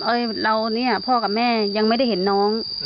เราเนี่ยพ่อกับแม่ยังไม่ได้เห็นน้อง